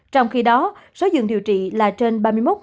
trong khi đó số dường điều trị là trên ba mươi một